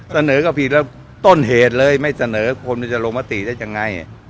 เสนอก็ผิดแล้วต้นเหตุเลยไม่เสนอคนจะลงมติได้ยังไง